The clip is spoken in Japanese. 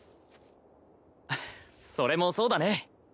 ハハそれもそうだね。